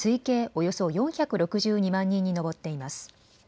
およそ４６２万人に上っています。